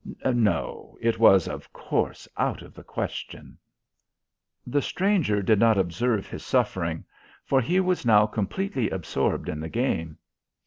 No; it was, of course, out of the question. The stranger did not observe his suffering, for he was now completely absorbed in the game.